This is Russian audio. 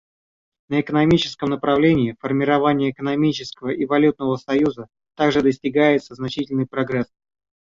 На экономическом направлении формирования экономического и валютного союза также достигается значительный прогресс.